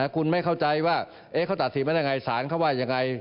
คุณไม่เข้าใจว่าเขาตัดสินมายังไงศาลเขาว่ายังไง